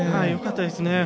よかったですね。